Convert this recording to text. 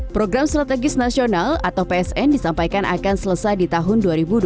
program strategis nasional atau psn disampaikan akan selesai di tahun dua ribu dua puluh tiga